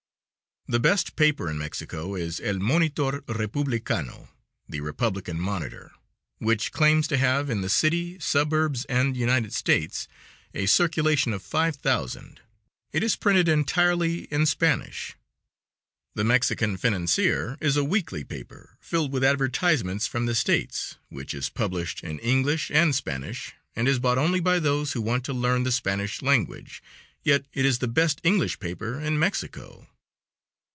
The best paper in Mexico is El Monitor Republicano (the Republican Monitor), which claims to have, in the city, suburbs, and United States, a circulation of five thousand. It is printed entirely in Spanish. The Mexican Financier is a weekly paper filled with advertisements from the States which is published in English and Spanish, and is bought only by those who want to learn the Spanish language, yet it is the best English paper in Mexico.